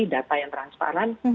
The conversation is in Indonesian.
data yang transparan